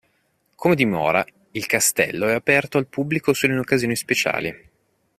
Come dimora, il Castello è aperto al pubblico solo in occasioni speciali.